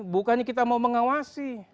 bukannya kita mau mengawasi